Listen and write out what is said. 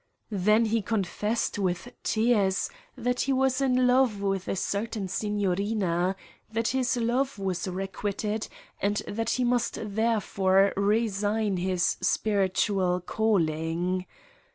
Then he confessed with tears that he was in love with a certain signorina, that his love was requited and that he must therefore resign his spiritual calling.